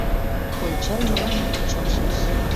Ончалмылан ончалшаш